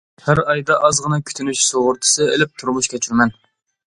ھەر ئايدا ئازغىنا كۈتۈنۈش سۇغۇرتىسى ئېلىپ تۇرمۇش كەچۈرىمەن.